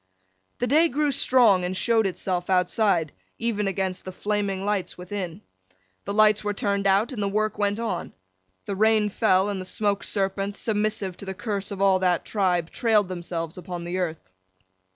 The day grew strong, and showed itself outside, even against the flaming lights within. The lights were turned out, and the work went on. The rain fell, and the Smoke serpents, submissive to the curse of all that tribe, trailed themselves upon the earth.